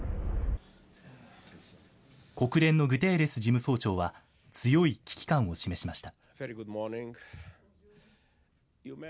国連のグテーレス事務総長は、強い危機感を示しました。